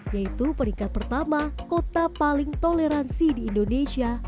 yaitu peringkat pertama kota paling toleransi di indonesia